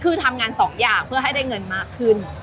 คือทำงานสองอย่างเพื่อให้ได้เงินมากขึ้น